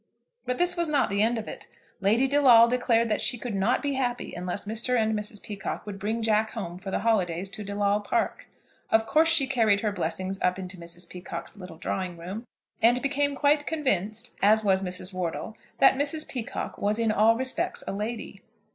But this was not the end of it. Lady De Lawle declared that she could not be happy unless Mr. and Mrs. Peacocke would bring Jack home for the holidays to De Lawle Park. Of course she carried her blessings up into Mrs. Peacocke's little drawing room, and became quite convinced, as was Mrs. Wortle, that Mrs. Peacocke was in all respects a lady.